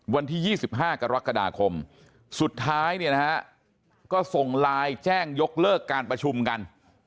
วันที่๒๕กรกฎาคมสุดท้ายเนี่ยนะฮะก็ส่งไลน์แจ้งยกเลิกการประชุมกัน